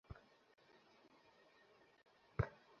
নিশ্চয় প্রফেসর হলকে চেনেন আপনি!